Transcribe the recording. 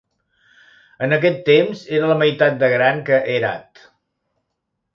En aquest temps era la meitat de gran que Herat.